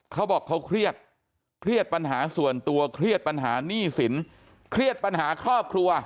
เขาบอกเขาเครียดเครียดปัญหาส่วนตัวเครียดปัญหาหนี้สินเครียดปัญหาครอบครัว